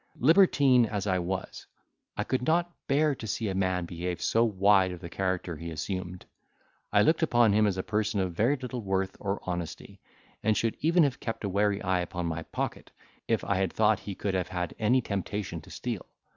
Libertine as I was, I could not bear to see a man behave so wide of the character he assumed. I looked upon him as a person of very little worth or honesty, and should even have kept a wary eye upon my pocket, if I had thought he could have had any temptation to steal.